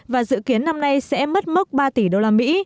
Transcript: và dự kiến năm nay sẽ mất mốc ba tỷ đô la mỹ